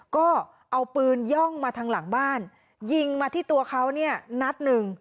ก็เอาปืนย่องมาทางหลังบ้านยิงมาที่ตัวเขาเนี่ยนัดหนึ่ง